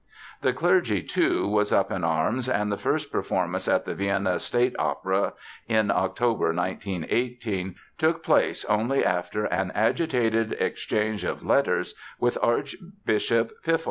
The clergy, too, was up in arms and the first performance at the Vienna State Opera in October, 1918, took place only after an agitated exchange of letters with Archbishop Piffl.